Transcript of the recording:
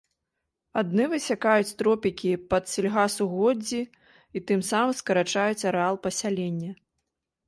Адны высякаюць тропікі пад сельгасугоддзі і тым самым скарачаюць арэал пасялення.